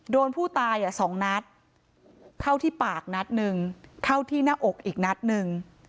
โดนผู้ตายสองนัดเข้าที่ปากนัดหนึ่งเข้าที่หน้าอกอีกนัดหนึ่ง